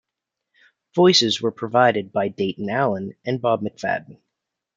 Voices were provided by Dayton Allen and Bob McFadden.